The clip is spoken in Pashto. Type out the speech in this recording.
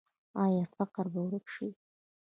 آیا فقر به ورک شي؟